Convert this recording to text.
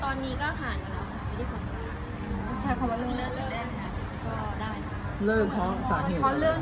ตอนนี้ก็ผ่ามาประจะปุ่น